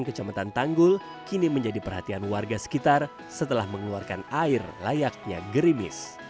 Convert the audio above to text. kecamatan tanggul kini menjadi perhatian warga sekitar setelah mengeluarkan air layaknya gerimis